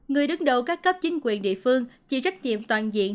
người đứng đầu các cấp chính quyền địa phương chịu trách nhiệm toàn diện